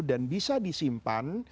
dan bisa disimpan